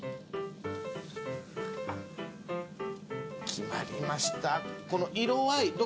決まりました。